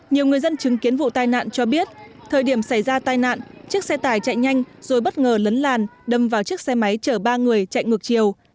nhiều người dân chứng kiến vụ tai nạn cho biết thời điểm xảy ra tai nạn chiếc xe tải chạy nhanh rồi bất ngờ lấn làn đâm vào chiếc xe máy chở ba người chạy ngược chiều